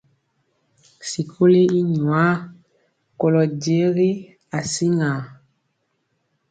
Sikoli i nwaa kolɔ jegi asiŋa.